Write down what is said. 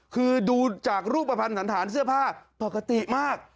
คือดูจากรูปภัณฑ์สันธารเสื้อผ้าปกติมาก